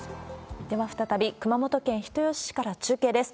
では再び、熊本県人吉市から中継です。